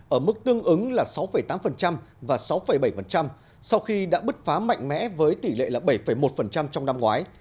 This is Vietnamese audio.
ở mức tương ứng là sáu tám và sáu bảy sau khi đã bứt phá mạnh mẽ với tỷ lệ là bảy một trong năm ngoái